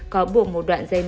có buộc một đoạn dây móng